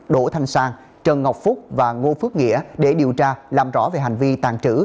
đỗ thanh sang trần ngọc phúc và ngô phước nghĩa để điều tra làm rõ về hành vi tàn trữ